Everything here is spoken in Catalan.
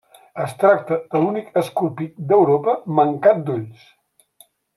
Es tracta de l'únic escorpí d'Europa mancat d'ulls.